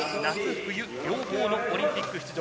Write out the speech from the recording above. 冬両方のオリンピック出場。